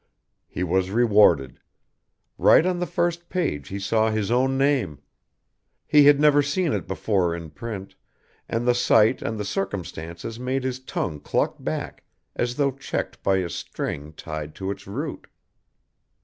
He was rewarded. Right on the first page he saw his own name. He had never seen it before in print, and the sight and the circumstances made his tongue cluck back, as though checked by a string tied to its root.